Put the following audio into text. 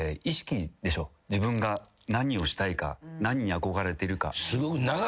自分が何をしたいか何に憧れてるか。